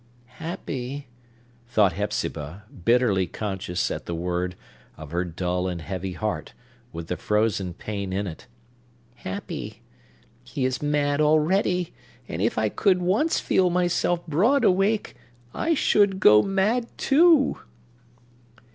"Happy—" thought Hepzibah, bitterly conscious, at the word, of her dull and heavy heart, with the frozen pain in it,—"happy. He is mad already; and, if I could once feel myself broad awake, I should go mad too!"